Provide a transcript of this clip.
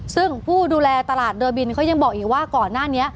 ซึ่งผู้ดูแลตลาดเดอร์บินเขายังบอกอีกว่าก่อนหน้านี้